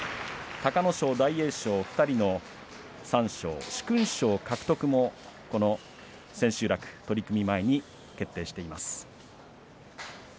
隆の勝、大栄翔２人の三賞、殊勲賞獲得もこの千秋楽取組前に決定しています。